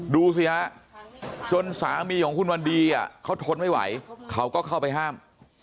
ดูสิฮะจนสามีของคุณวันดีเขาทนไม่ไหวเขาก็เข้าไปห้าม